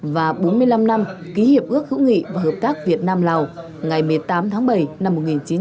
và bốn mươi năm năm ký hiệp ước hữu nghị và hợp tác việt nam lào ngày một mươi tám tháng bảy năm một nghìn chín trăm tám mươi